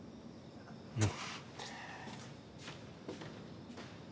うん。